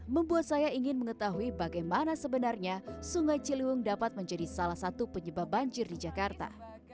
membuat saya ingin mengetahui bagaimana sebenarnya sungai ciliwung dapat menjadi salah satu penyebab banjir di jakarta